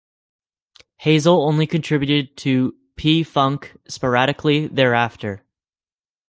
Hazel only contributed to P-Funk sporadically thereafter.